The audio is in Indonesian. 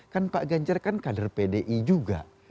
kan pak ganjar kan kader pdi juga